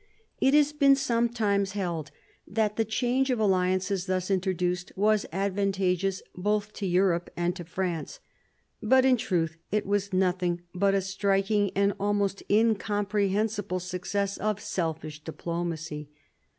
It has been sometimes held that the change of alliances thus introduced was advantageous both to Europe and to France. But in truth it was nothing but a striking and almost incomprehensible success of selfish diplomacy.